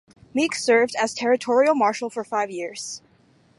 Meek served as Territorial Marshal for five years.